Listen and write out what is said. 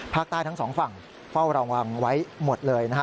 ภาคใต้ทั้งสองฝั่งเฝ้าระวังไว้หมดเลยนะฮะ